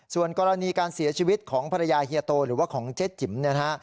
ส่วนกรณีการเสียชีวิตของภรรยาเฮียโตหรือว่าของเจ๊จิ๋มเนี่ยนะฮะ